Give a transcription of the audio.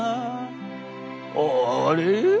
あれ？